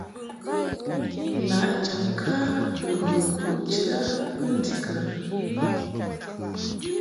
Nanjam ŋka u ghə kujid a bə ndikə ?